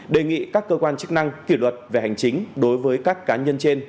đề nghị các cơ quan chức năng kỷ luật về hành chính đối với các cá nhân trên